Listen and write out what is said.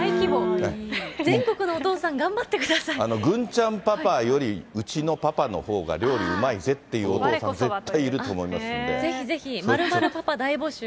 全国のお父さん、頑張ってく郡ちゃんパパよりうちのパパのほうが料理うまいぜっていうお父さん、ぜひぜひ、○○パパ大募集。